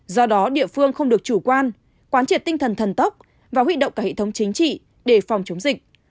do đó địa phương không được chủ quan quán triệt tinh thần thần tốc và huy động cả hệ thống chính trị để phòng chống dịch